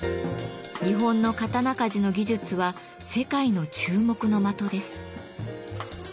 日本の刀鍛冶の技術は世界の注目の的です。